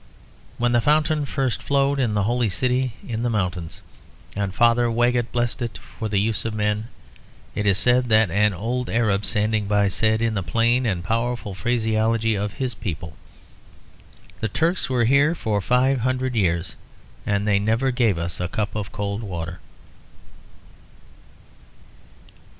When the fountain first flowed in the Holy City in the mountains, and Father Waggett blessed it for the use of men, it is said that an old Arab standing by said, in the plain and powerful phraseology of his people: "The Turks were here for five hundred years, and they never gave us a cup of cold water."